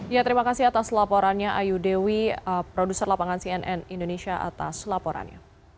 ya terima kasih atas laporannya ayu dewi produser lapangan cnn indonesia atas laporannya